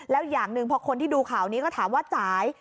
แล้วอย่างหนึ่งพอคนที่ดูข่าวนี้ก็ถามว่าจ่าย